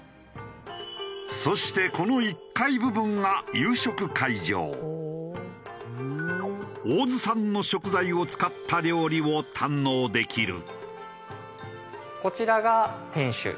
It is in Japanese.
そしてこの１階部分が大洲産の食材を使った料理を堪能できる。